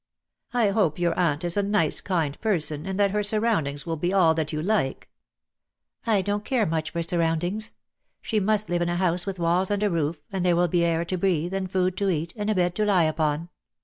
"I hope your aunt is a nice, kind person, and that her surroundings will be all that you like." "I don't care much for surroundings. She must live in a house with walls and a roof, and there will be air to breathe, and food to eat, and a bed to lie upon."